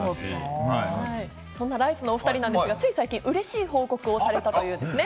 そんなライスのお２人なんです、がつい最近、嬉しいご報告されたんですね。